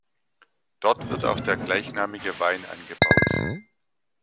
Dort wird auch der gleichnamige Wein angebaut.